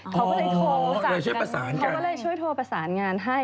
เขาก็เลยช่วยโทรประสานงานให้